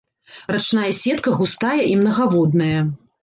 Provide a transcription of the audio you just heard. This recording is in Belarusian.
Рачная сетка густая і мнагаводная.